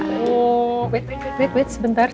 tunggu wait wait wait sebentar